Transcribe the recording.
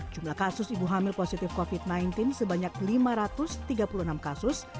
jumlah kasus ibu hamil positif covid sembilan belas sebanyak lima ratus tiga puluh enam kasus